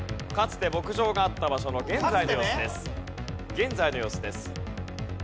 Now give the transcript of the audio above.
現在の様子です。